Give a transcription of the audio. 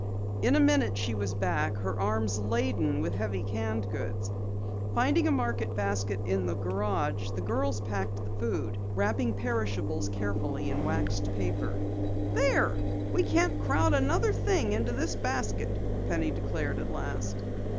In a minute she was back, her arms laden with heavy canned goods. Finding a market basket in the garage, the girls packed the food, wrapping perishables carefully in waxed paper. "There! We can't crowd another thing into the basket," Penny declared at last.